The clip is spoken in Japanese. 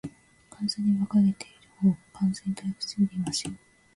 完全に馬鹿げているほうが、完全に退屈よりマシよ。